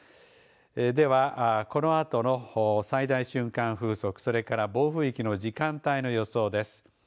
では、このあとの最大瞬間風速それから暴風域の時間帯の予想です。